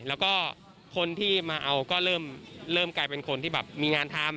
แล้วก็คนที่มาเอาก็เริ่มกลายเป็นคนที่แบบมีงานทำ